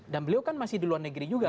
dan beliau kan masih di luar negeri juga